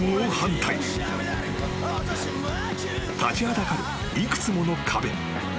［立ちはだかる幾つもの壁］